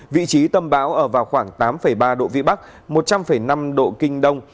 vị trí tâm bão ở vào khoảng tám ba độ vĩ bắc một trăm linh năm độ kinh đông